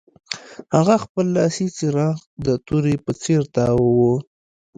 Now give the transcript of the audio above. هغه خپل لاسي څراغ د تورې په څیر تاواوه